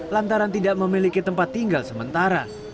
lantaran tidak memiliki tempat tinggal sementara